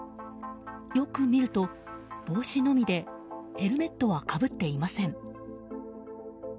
よく見ると、帽子のみでヘルメットはかぶっていません。